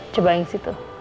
coba yang situ